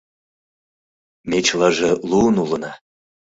Ме чылаже луын улына.